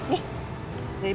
mending kita bagi bagiin